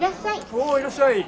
おおいらっしゃい！